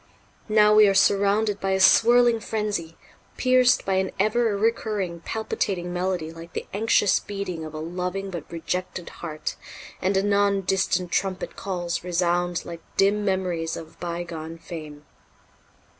Now we are surrounded by a swirling frenzy, pierced by an ever recurring palpitating melody like the anxious beating of a loving but rejected heart; and anon distant trumpet calls resound like dim memories of bygone fame."